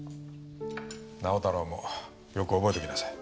直太朗もよく覚えておきなさい。